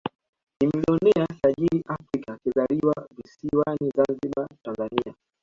Ni milionea tajika Afrika akizaliwa visiwani Zanzibar Tanzania